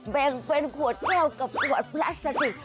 แบ่งเป็นขวดแก้วกับขวดพลาสติก